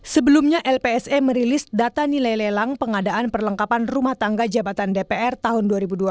sebelumnya lpse merilis data nilai lelang pengadaan perlengkapan rumah tangga jabatan dpr tahun dua ribu dua puluh